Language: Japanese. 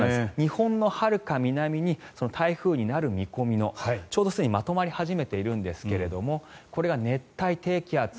日本のはるか南に台風になる見込みのちょうどすでにまとまり始めているんですがこれが熱帯低気圧。